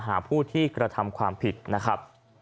หาผู้ที่กระทำความผิดนะครับ